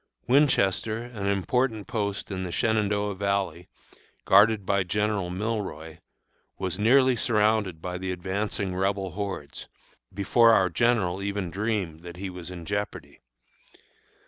Winchester, an important post in the Shenandoah Valley, guarded by General Milroy, was nearly surrounded by the advancing Rebel hordes, before our general even dreamed that he was in jeopardy.